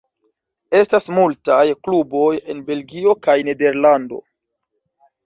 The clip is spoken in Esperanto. Estas multaj kluboj en Belgio kaj Nederlando.